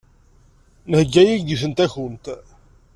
Nheyya-ak-d yiwet n takunt.